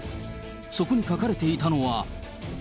そこに書かれていたのは。